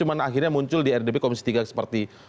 akhirnya muncul di rdp komisi tiga seperti